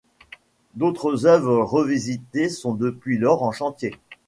D’autres œuvres revisitées sont depuis lors en chantier.